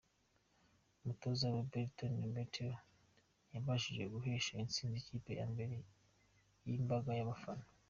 Umutoza Roberto di Matteo ntiyabashije guhesha intsinzi ikipe ye imbere y'imbaga y'abafana.